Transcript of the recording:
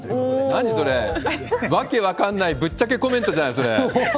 何それ、訳分かんない、ぶっちゃけコメントじゃん、それ。